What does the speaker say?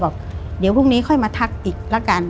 บอกเดี๋ยวพรุ่งนี้ค่อยมาทักอีกละกัน